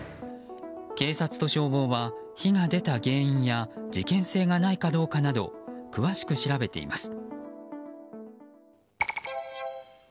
警察と消防は火が出た原因や事件性がないかどうかなど詳しく調べています。